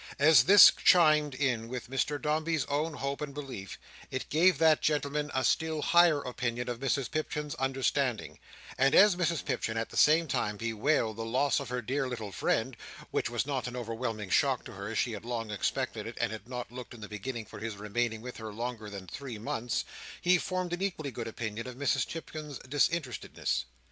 As this chimed in with Mr Dombey's own hope and belief, it gave that gentleman a still higher opinion of Mrs Pipchin's understanding; and as Mrs Pipchin, at the same time, bewailed the loss of her dear little friend (which was not an overwhelming shock to her, as she had long expected it, and had not looked, in the beginning, for his remaining with her longer than three months), he formed an equally good opinion of Mrs Pipchin's disinterestedness.